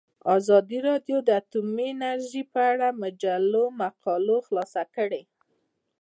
ازادي راډیو د اټومي انرژي په اړه د مجلو مقالو خلاصه کړې.